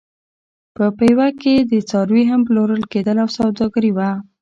په پېوه کې څاروي هم پلورل کېدل او سوداګري وه.